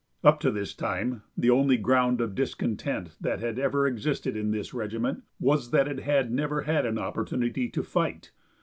Up to this time the only ground of discontent that had ever existed in this regiment was that it had never had an opportunity to fight.